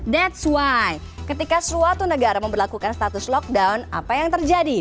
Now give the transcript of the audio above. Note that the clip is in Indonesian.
that's why ketika suatu negara memperlakukan status lockdown apa yang terjadi